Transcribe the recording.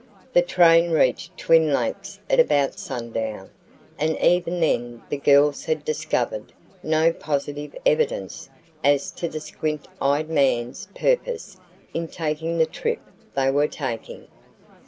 The train reached Twin Lakes at about sundown, and even then the girls had discovered no positive evidence as to the "squint eyed man's" purpose in taking the trip they were taking.